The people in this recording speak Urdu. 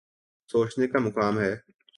سوچنے کا مقام ہے۔